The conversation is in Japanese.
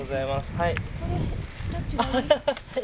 これどっちがいい？